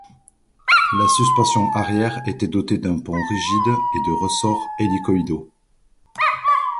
La suspension arrière était dotée d'un pont rigide et de ressort hélicoïdaux.